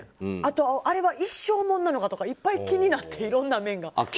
あとあれは一生ものなのかとかいっぱい気になって。